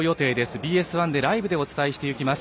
ＢＳ１でライブでお伝えしていきます。